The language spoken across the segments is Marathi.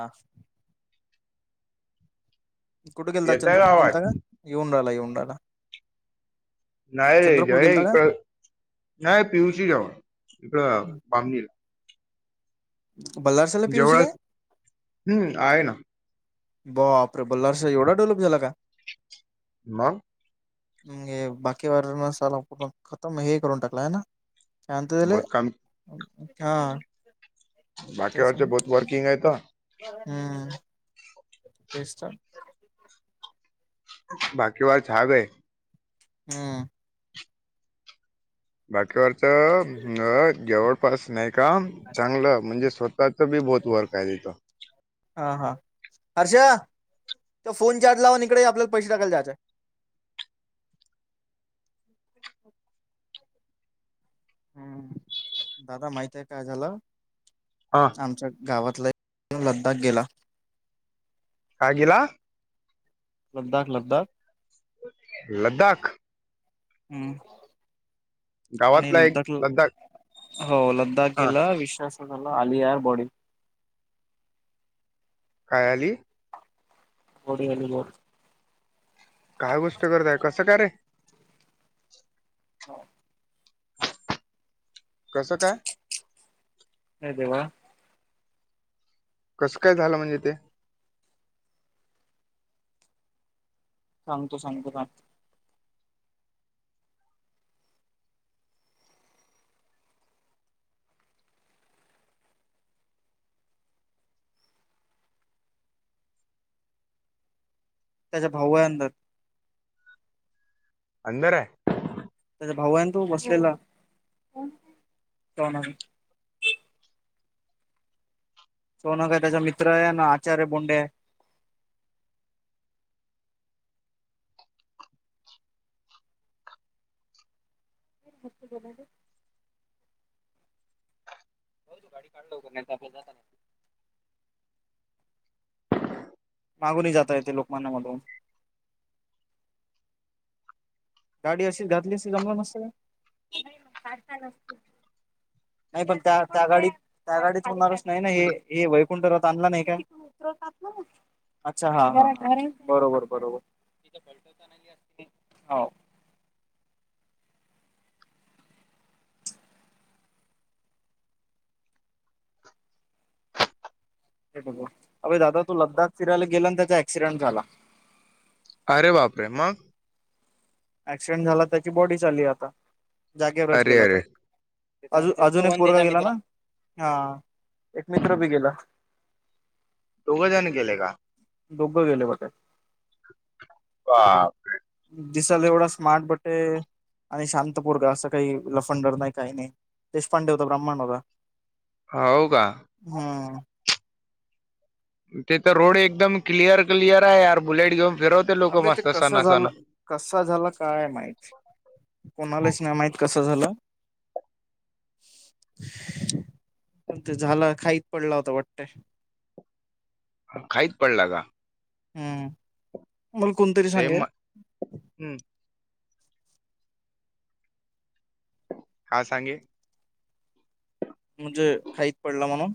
हा. कुठे गेलता येतय चंद्रपूर आवाज? गेलता का येऊन राहिला, येऊन राहिला. नाही रे ज चंद्रपूर आहे गेलता का? इकड नाही पिवशी जाऊ इकड पामगिरी बल्लारस जेवळ हम्म आहे ना. बापरे बल्लारशा एवढा डेव्हलप झाला का? मग. म्हे बाकी वनाला खतम हे करून टाकला आहे ना? काय म्हणता त्याला बहुत काम हा. तेच बाकीवरच बहुत वर्किंग आहे तर हम्म तेच तर. बाकी वा छान आहे. हम्म. बाकीवरच जवळपास नाही का? चांगलं म्हणजे स्वतःच बी बहुत वर्क आहे तिथं. हा, हा हर्षा तो फोन चार्ज लावन इकडे ये आपल्याला पैसे टाकायला जायचे. हम्म दादा माहित आहे काय झाला. हां. आमच्या गावातला एक लद्दाख गेला. काय गेला? लद्दाख, लद्दाख, लद्दाख. हम्म. आणि गावातला एक लद्दाख हो लद्दाख हा गेलं विश्वास असा झाला आलिया बॉडी. कायली? बॉडी आली बॉडी. काय गोष्ट करताय कसं कारे? हो. कसं काय? हे देेवा कसं काय झालं म्हणजे ते? सांगतो, सांगतो थांब. त्याच्या भाऊ हाय अंदर अंदर आहे. त्याचा भाऊ हायन तो बसलेला कोण ता. सोन काय त्याचा मित्र आहे ना आचार्य बोंडे कती बोला हो तू गाडी काढल हो का नाही नाही. मागूनणी जाता येते लोकमानमधून गाडी अशीच घातली जमलं नसत का नाही पण त्या त्या गाडी त्या गाडीच होणारच नाही ना हे वैकुंठ राथ आणल हे काय अच्छा हा बरोबर बरोबर. ते अई दादा तू लद्दाख फिरायला गेला त्याचा ऍक्सिडेंट झाला. अरे बापरे मग क्सिडेंट झाला त्याची बॉडी चालली आता जागेवरच अरे गेला तो अरे अज अजूनही पूर्ण गेला ना हा एक मित्र बी गेला. [inaudible] दोघं जण गेले का? दोघं गेले होतत. ह. दिसाला एवढा स्मार्ट बटे आणि शांतपुरगा असं काही लफंडर नाही काही नाही देशपांडे होता ब्राह्मण होता. हो का? हा. ते तर रोड एकदम क्लिअर क्लिअर आहेर बुलेट घेऊन फिरवते लोक अबे ते मस्त कसं सणा झालं सण कसा झाला काय माहत कोणालाच नाही माहत कसं झालं. पण ते झालं खाईच पडला होता वाटतय. अ खाईच पडला का? हं. सेम हम्. हा सांगे. म्हणजे खाईत पडला म्हणून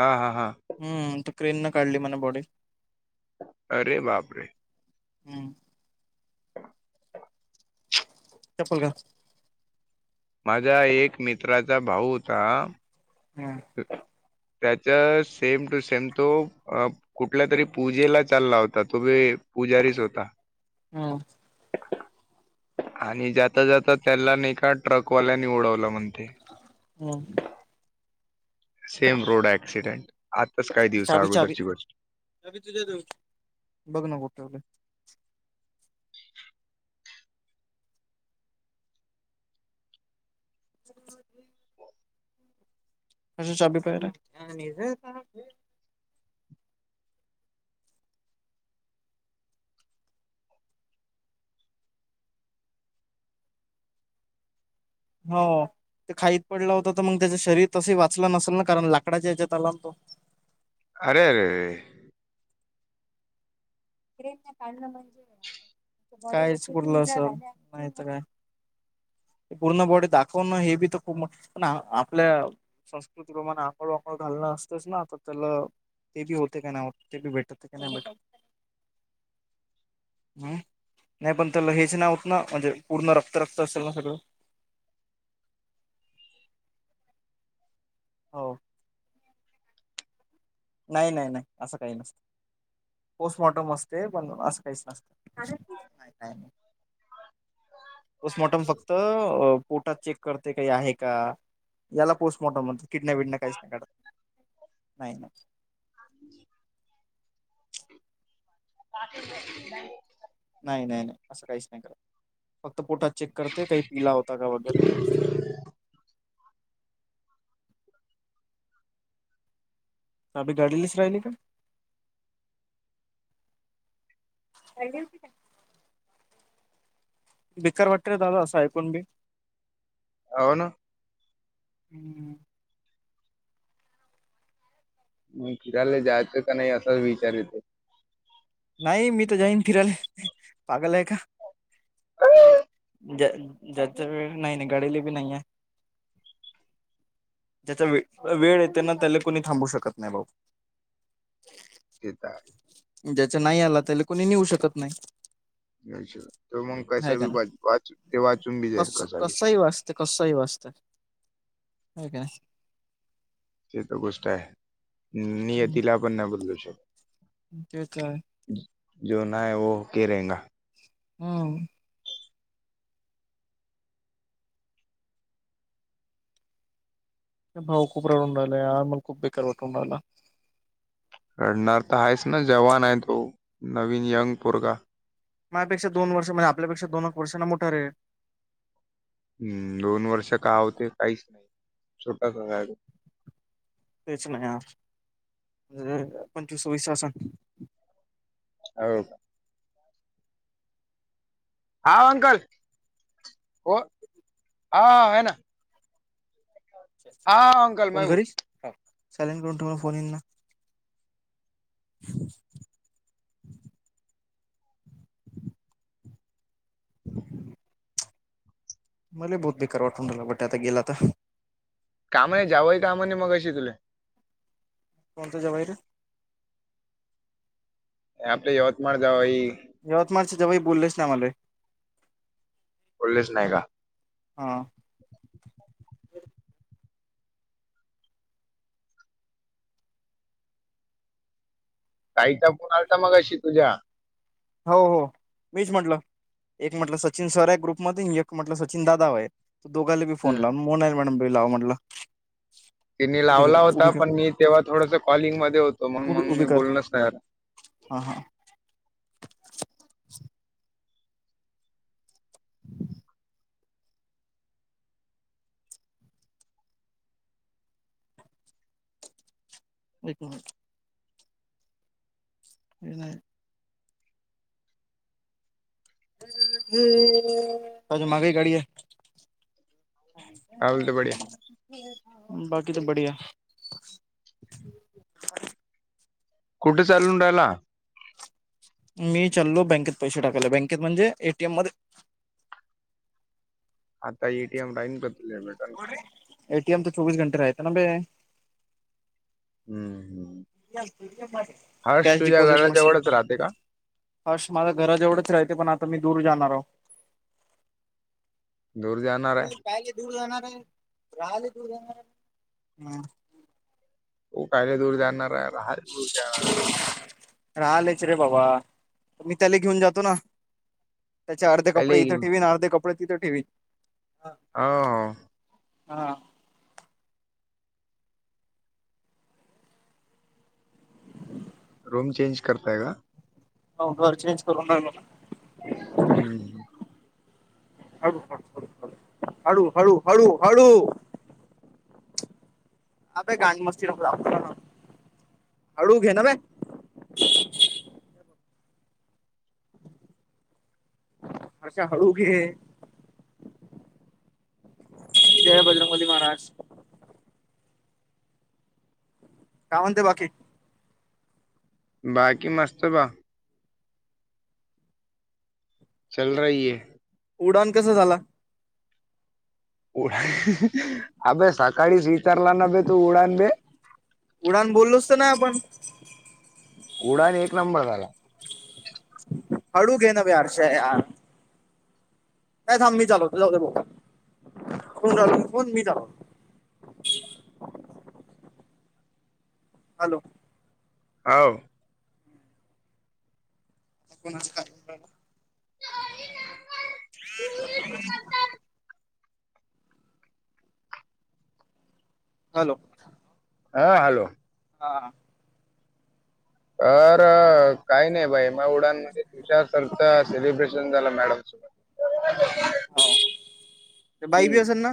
हा हां हां. हम्म त क्रेन न काढली मणा बॉडी अरे बापरे! हम्म. ह. चपल का? माझा एक मित्राचा भाऊ होता. हम. त्याच्या सेम टू सेम तो कुठल्या तरी पूजेला चालला होता तोी पुजारीच होता. हम्. आणि जाता जात त्याला न का ट्रकवाल्यानी उडवलं म्हणते. ह. हम. सेम रोड ऍक्सिडेंट आताच काही दिवसा अगोदरची गोष्ट अ तुझ्या बघ नाठेव. [inaudible] [inaudible] अस चवीी पहि हो ते खाईत पडलं होत तर मग त्याच शरीर तस वाचलं नसेल ना कारण लाकडाच्या याच्यात आलातो. अरे अरे. ज काहीच उरलं अस माहित काय? पूर्ण बॉडी दाखवणं हे बी तर खूप मोठ पण आपल्या संस्कृती प्रमाणे आंगोळ वांगोळ घालणं असतेच ना आता त्याला ते बी होते का नाही ते बी भेटतते का नाही भेट हम् नाही पण त्या ल हेच नाव होत ना म्हणजे पूर्ण रक्त रक्त असेल ना सगळं हो नाही नाही नाही असं काही नसत पोस्टमॉर्टम असते पण असं काहीच नसत. ठी का नाही. पोस्टमॉर्टम फक्त पोटात चे करते काही आहे का याला पोस्टमॉर्टम म्हणत किडनप विडन काहीच नाही काढत. नाही नाही. पा नाही नाही नाही असं काहीच नाही करा फक्त पोटात चेक करते काही पिला होता का वगैरे अभी गाडी लिस राहि का हती का बिकार वाटत र दादा असं ऐकून बी अवन हम् मग फिरायला जायचं का नाही असाच विचार येतो नाही मी तर जाईन फिरायले पागलय का अ ज ज नाही नाही गडेली बी नाहीये त्याचा वे वेळ येते ना त्याला कोुणी थांबू शकत नाही भाऊ जता आहे ज्याचा नाही आला त्या कोणी नऊ शकत नाही अ तर मग आहे कसा का बी नाही वाच ते वाचून बी जाईल कसा ते कसही वाचतात का ह तर गोष्ट आहे नियतीला आपण न बदलू शकतो ते काय जो नाय व के रेंगा हम भाऊ खूप रडूनडालेय आर्मल खूप बेकार वाटून आला रडणार तर आहेच ना जवान आहे तो नवीन यंग पोरगा माझपेक्षा दोन वर्ष म्हणज आपल्यापेक्षा दोन वर्षांना मोठार आहे हम्म दोन वर्ष का होते काहीच नाही छोटासा तेच नाही पंचवीसवी शासन हो का हा अंकल हो हा आहे ना हा अंकल फोन मग कररीस चालेन करून ठ फोन येईन ना [inaudible] हम्म मला बहु बेकार वाठवून झाला बट आता गेलाता काम नाही जावही काम मग शिकलेय कोणत ज बाई रे आपडे यवतमाळ जाई यवतमाळच्याव्हाही बोललेच आम्हाला बोललेच नाही का हां ताई टापून आलता मग अशी तुझ्या हो हो मीच म्हटलं एक म्हटलं सचिन सर आहे ग्रुप मध एक म्हटलं सचिन दादाव आहे त दोघाला बी फोन हम्म लावून म नाही मॅडम बी लाव म्हटलं तिनी उभी कर लावला होता उभी पण मी तेव्हा थोडस कॉलिंग मध्ये होत उब उभी कर हा हा [inaudible] [inaudible] [unintelligible] माग गाडी घे. काय बोलते बढिया बाकी तर बढिया. कुठे चालून राहिला? मी चालो बँकेत पैसे टाकायले. बँकेत म्हणजे एटीएम मध्ये. आता एटीएम राहीन कर एटीएम तर चोवीस घंटे राहते ना बे. हम्म! हम्! Cash deposit machine. घराजवळच राहते का? हर्श माझ घरज एवढंच राहतें पण आता मी दूर जाणार आहो. दूर जाणार आहे. पाहिले दूर जाणार आहे राहाले दूर जाणार आहे हम त कायले दूर जाणार राहा च चच राहालेच रे बाबा मी त्याला घेऊन जातो ना त्याचे अर्धे कपडे त्याले इथं घेऊन ठेवीन अर्धे कपडे तिथं ठेवीन हो हो. हा रूम चचेंज करताय का हो अर्चरच करणार मला हम्म! ह हळू- हळू- हळू- हळू. [inaudible] अशा हळू घे. जय बजरंग बली महाराज. काय म्हणते बाकी. बाकी मस्त बा. चल रही हे. उडान कस झाला. उडा ह बे सकाळी स्वीतारला न बे तू उडान बे. उडान बोललो असत ना आपण. उडाइ आणि एक नंबर झाला. हळू घे ना बे हर्षा यार. का थांब मी चालवतो जाऊ बघ फनल फोन मी चालो. हॅलो! होव. कोणाच? हम! हम्! हॅलो! हा हॅलो! हा. अर काही नाही बाई मग उडान. तुषार सरच सेलिब्रेशन झाला मॅडम स हो बाई बी असेल ना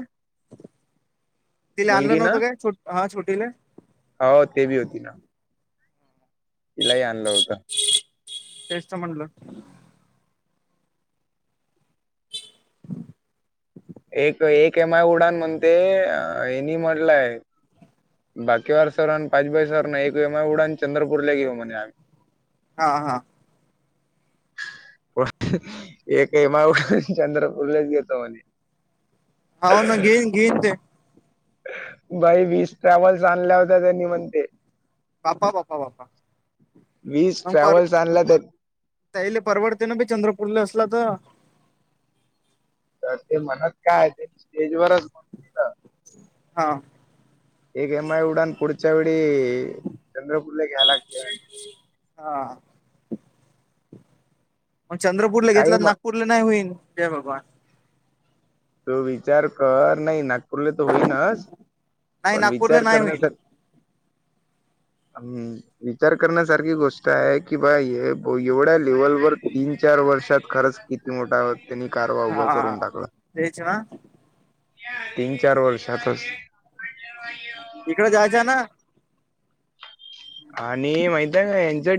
तिला आणलं मुलगी ना नव्हतं काय ट हा छोटीला हो ती बी होती ना. तिलाही आणलं होतं. तेच म्हणलं. [unintelligible] एक एक एम आय उडान म्हणते हेनी म्हटलंय. बाकीवार सर आणि पाच बाई सरन एकय उडा आणि चंद्रपूर ला घेऊ म्हणे आम्ही हा हा. प एकही माऊठ चंद्रपूरलेच घेतो म्हणे. [inaudible] बाई वीस ट्रॅव्हल्स आणल्या होत्या त्यांनी म्हणते. बाप्पा बाप्पा बाप्पा. वीस ट्रॅव्हल्स आणला तर त्याले परवडते ना बी चंद्रपूरला असला तर. तर ते म्हणत काय हाय ते स्टेजवरच म्हणत हा. एक एम आय उडाण पुढच्या वेळी चंद्रपूर ला घ्यायला लागत. हा मग चंद्रपूरला काही घेतलात ना. मग पुरलं नाय होईन के बाबा. तू विचार कर नाही ना. रले तर होई नाच नाही पण नागपूरला विचार नाही होईल करण्यासा [inaudible] विचार करण्यासारखी गोष्ट आहे की बा एवढ्या लेव्हलवर तीन चार वर्षात खरंच किती मोठा त्यांनी कारभार उभा हा करून टाकला. तेच ना. तीन चार वर्षातच. [unintelligible] इकडे जायच्या ना. आणि माहित हाय का यांच्या